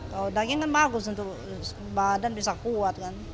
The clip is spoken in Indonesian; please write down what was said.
kalau daging kan bagus untuk badan bisa kuat kan